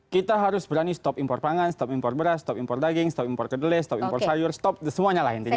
kita harus berani stop impor pangan stop impor beras stop impor daging stop impor kedelai stop impor sayur stop semuanya lah intinya